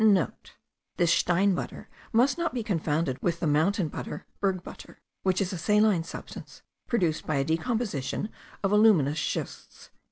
(* This steinbutter must not be confounded with the mountain butter (bergbutter) which is a saline substance, produced by a decomposition of aluminous schists.)